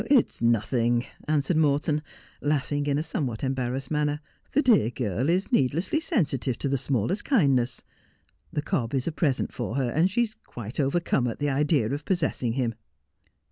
'It's nothing,' answered Morton, laughing in a somewhat A Paragon of Cobs. 295 embarrassed manner. 'The dear girl is needlessly sensitive to the smallest kindness. The cob is a present for her, and she ia quite overcome at the idea of possessing him.'